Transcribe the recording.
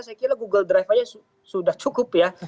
saya kira google drive aja sudah cukup ya